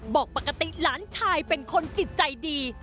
บอกปกติหลานชายเป็นคนจิตใจดี